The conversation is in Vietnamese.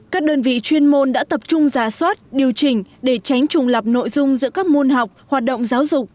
các đơn vị chuyên môn đã tập trung giả soát điều chỉnh để tránh trùng lập nội dung giữa các môn học hoạt động giáo dục